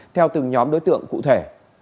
theo từng nhóm đối tượng cụ thể